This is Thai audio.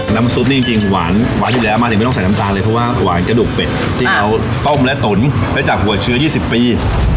น้ำซุปนี่จริงหวานอยู่แล้วมาถึงไม่ต้องใส่น้ำตาลเลยเพราะว่าหวานกระดูกเป็ดที่เขาต้มและตุ๋นได้จากหัวเชื้อ๒๐ปี